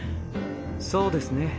そうですね。